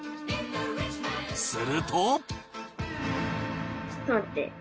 すると